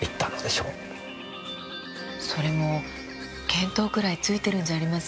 それも見当くらい付いてるんじゃありません？